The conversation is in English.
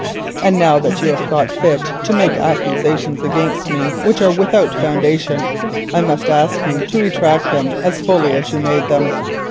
And now that you have thought fit to make accusations against me, which are without foundation, I must ask you to retract them as fully as you made them.